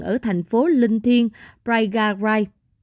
ở thành phố linh thiên praigarai